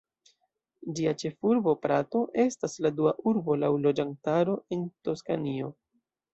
Ĝia ĉefurbo, Prato, estas la dua urbo laŭ loĝantaro en Toskanio.